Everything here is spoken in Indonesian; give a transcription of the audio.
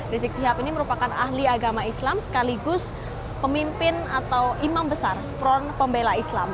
rizik sihab ini merupakan ahli agama islam sekaligus pemimpin atau imam besar front pembela islam